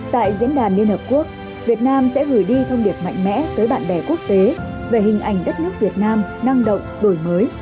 tại diễn đàn liên hợp quốc việt nam sẽ gửi đi thông điệp mạnh mẽ tới bạn bè quốc tế về hình ảnh đất nước việt nam năng động đổi mới